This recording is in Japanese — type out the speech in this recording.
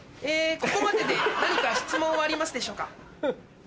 ここまでで何か質問はありますでしょうか？